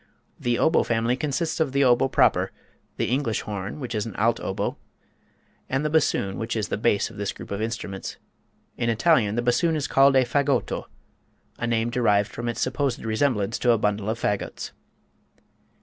The oboe family consists of the oboe proper, the English horn which is an alt oboe, and the bassoon which is the bass of this group of instruments. In Italian the bassoon is called a fagotto, a name derived from its supposed resemblance to a bundle of fagots.